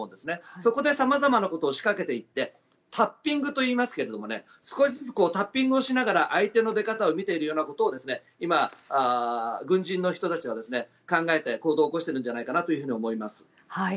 そこで様々なことを仕掛けていってタッピングと言いますけど少しずつタッピングしながら相手の出方を見ることを今、軍人の人たちは考えて行動を起こしてるのではと思います。